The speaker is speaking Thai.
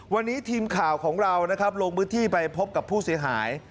วันนี้ทีมข่าวของเรานะครับลงพื้นที่ไปพบกับผู้เสียหาย